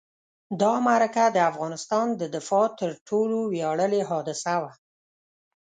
دا معرکه د افغانستان د دفاع تر ټولو ویاړلې حادثه وه.